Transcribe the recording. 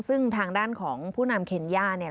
ซึ่งทางด้านของผู้นำเคนย่า